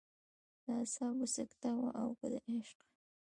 د اعصابو سکته وه او که د عشق.